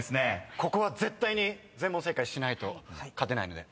ここは絶対に全問正解しないと勝てないので絶対取ります。